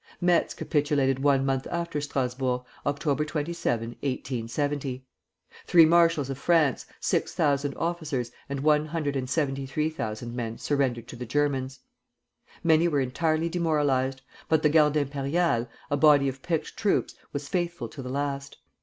Metz capitulated one month after Strasburg, Oct. 27, 1870. Three marshals of France, six thousand officers, and one hundred and seventy three thousand men surrendered to the Germans. Many were entirely demoralized; but the Garde Impériale, a body of picked troops, was faithful to the last.